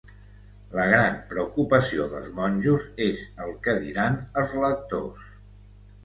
La gran preocupació dels monjos és el què-diran els lectors.